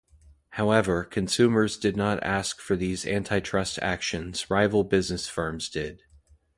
However, consumers did not ask for these antitrust actions-rival business firms did.